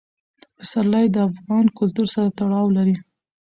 پسرلی د افغان کلتور سره تړاو لري.